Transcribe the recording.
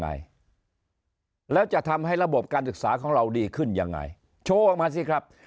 ยังไงแล้วจะทำให้ระบบการศึกษาของเราดีขึ้นยังไงโชว์ออกมาสิครับ